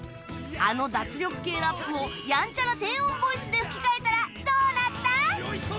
あの脱力系ラップをやんちゃな低音ボイスで吹き替えたらどうなった？